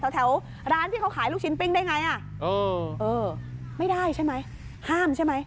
แถวร้านที่เขาขายลูกชิ้นปิ้งได้ไงอ่ะเออไม่ได้ใช่ไหมห้ามใช่ไหม